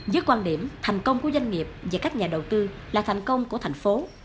với quan điểm thành công của doanh nghiệp và các nhà đầu tư là thành công của thành phố